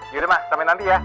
yaudah ma sampai nanti ya